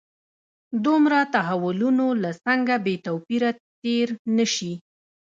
دومره تحولونو له څنګه بې توپیره تېر نه شي.